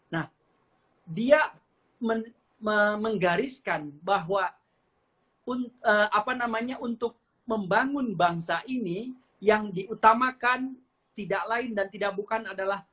nah dia menggariskan bahwa apa namanya untuk membangun bangsa ini yang diutamakan tidak lain dan tidak bukan adalah